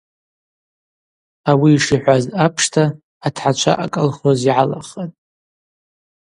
Ауи йшихӏваз апшта атгӏачва аколхоз йгӏалахатӏ.